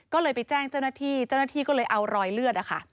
ก็เลยไปแจ้งเจ้าหน้าที่เจ้าหน้าที่ก็เลยเอารอยเลือด